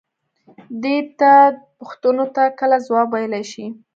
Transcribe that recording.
دى د تا پوښتنو ته کله ځواب ويلاى شي.